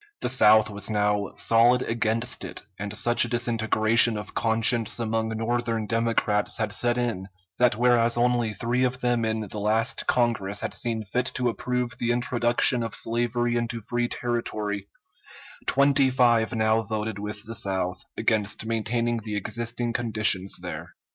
The South was now solid against it, and such a disintegration of conscience among Northern Democrats had set in, that whereas only three of them in the last Congress had seen fit to approve the introduction of slavery into free territory, twenty five now voted with the South against maintaining the existing conditions there.